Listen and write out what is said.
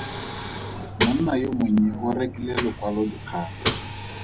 Monna yo monnye o rekile lokwalodikgang.